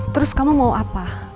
terus kamu mau apa